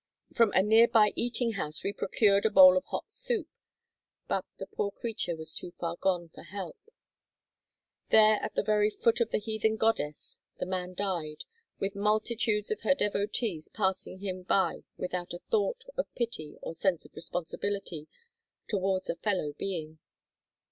From a near by eating house we procured a bowl of hot soup, but the poor creature was too far gone for help. There at the very foot of the heathen goddess the man died, with multitudes of her devotees passing him by without a thought of pity or sense of responsibility towards a fellow being.